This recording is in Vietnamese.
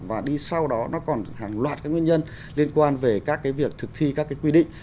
và đi sau đó nó còn hàng loạt cái nguyên nhân liên quan về các cái việc thực thi các cái quy định